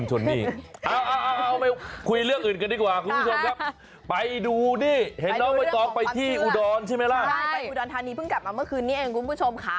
ใช่ไปอุดรธานีเพิ่งกลับมาเมื่อคืนนี้เองคุณผู้ชมค่ะ